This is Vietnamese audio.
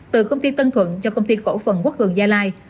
từ công ty tân thuận cho công ty cổ phần quốc hường gia lai